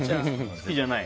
好きじゃない？